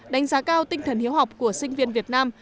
đánh giá cao tinh thần hiếu học của sinh viên việt nam